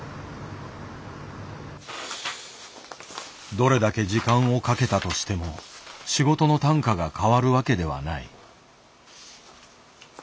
どれだけ時間をかけたとしても仕事の単価が変わるわけではない。